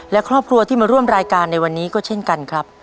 และครอบครัวที่มาร่วมรายการในวันนี้ก็เช่นกันครับ